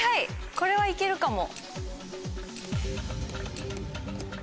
これはいけるかも。